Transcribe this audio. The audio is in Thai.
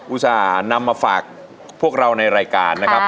นำมาฝากพวกเราในรายการนะครับ